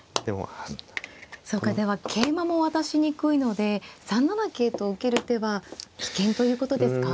そうかでは桂馬も渡しにくいので３七桂と受ける手は危険ということですか。